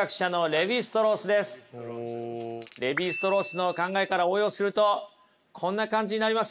レヴィ＝ストロースの考えから応用するとこんな感じになりますよ。